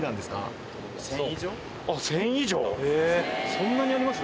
そんなにあります？